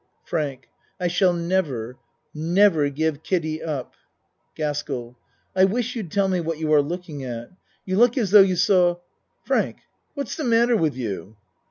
FRANK I shall never never give Kiddie up. GASKELL I wish you'd tell me what you are looking at. You look as though you saw Frank! what's the matter with you?